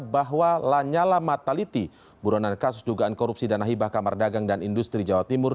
bahwa lanyala mataliti buronan kasus dugaan korupsi dana hibah kamar dagang dan industri jawa timur